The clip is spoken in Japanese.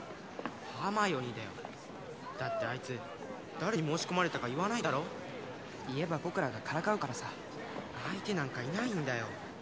ハーマイオニーだよだってあいつ誰に申し込まれたか言わないだろ言えば僕らがからかうからさ相手なんかいないんだよ